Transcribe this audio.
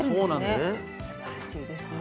すばらしいですね。